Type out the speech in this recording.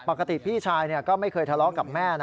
ปกติพี่ชายก็ไม่เคยทะเลาะกับแม่นะ